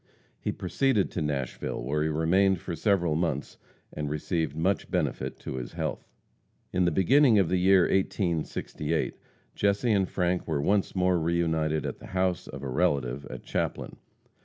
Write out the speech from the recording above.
He proceeded to Nashville, where he remained for several months, and received much benefit to his health. In the beginning of the year 1868 Jesse and Frank were once more re united at the house of a relative at Chaplin.